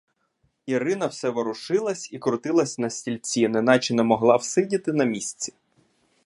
Ірина все ворушилась і крутилася на стільці, неначе не могла всидіти на місці.